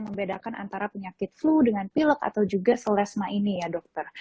membedakan antara penyakit flu dengan pilek atau juga selesma ini ya dokter